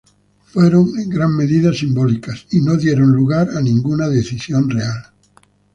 Fueron en gran medida simbólicas y dieron lugar a ninguna decisión real.